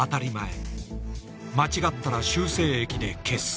間違ったら修正液で消す。